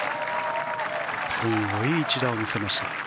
すごい一打を見せました。